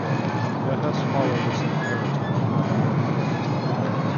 Let us follow this imperative of our era.